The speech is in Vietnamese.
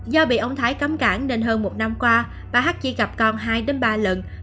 do bị ông thái cấm cản nên hơn một năm qua bà hắc chỉ gặp con hai ba lần